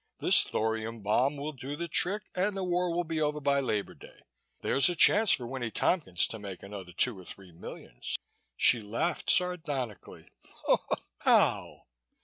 This thorium bomb will do the trick and the war will be over by Labor Day. There's a chance for Winnie Tompkins to make another two or three millions." She laughed sardonically. "How?"